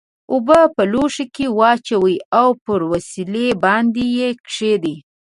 اوبه په لوښي کې واچوئ او پر وسیلې باندې یې کیږدئ.